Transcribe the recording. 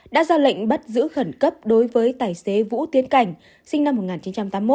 đã ra lệnh bắt giữ khẩn cấp đối với tài xế vũ tiến cảnh sinh năm một nghìn chín trăm tám mươi một